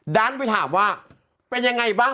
ดันไปถามว่าเป็นยังไงบ้าง